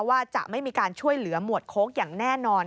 ว่าจะไม่มีการช่วยเหลือหมวดโค้กอย่างแน่นอน